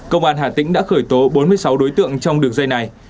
công an hà tĩnh đã khởi tố bốn mươi sáu đối tượng trong đường dây này